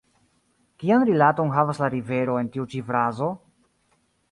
Kian rilaton havas la rivero en tiu ĉi frazo?